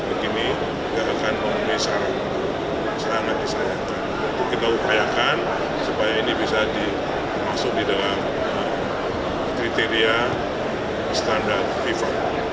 begini tidak akan memenuhi syarat untuk kita upayakan supaya ini bisa dimaksud di dalam kriteria standar fifa